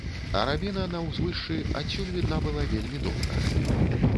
Арабіна на ўзвышшы адсюль відна была вельмі добра.